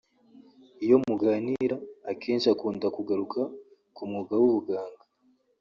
Iyo muganira akenshi akunda kugaruka ku mwuga w’ubuganga